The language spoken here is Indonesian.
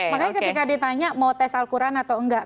makanya ketika ditanya mau tes al quran atau enggak